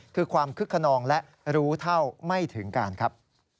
คือความคึกขนองและรู้เท่าไม่ถึงการครับ